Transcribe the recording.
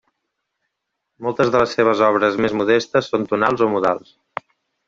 Moltes de les seves obres més modestes són tonals o modals.